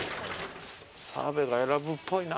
澤部が選ぶっぽいなでも。